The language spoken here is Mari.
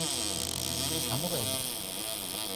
— А могай вара?